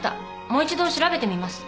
もう一度調べてみます。